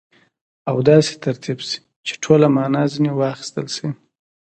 او داسي ترتیب سي، چي ټوله مانا ځني واخستل سي.